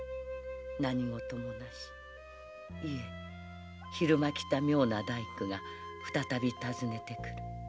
何事もなしいえ昼間来た妙な大工が再び訪ねてくる。